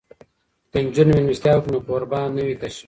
که نجونې میلمستیا وکړي نو کور به نه وي تش.